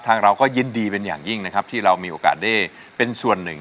เราก็ยินดีเป็นอย่างยิ่งนะครับที่เรามีโอกาสได้เป็นส่วนหนึ่ง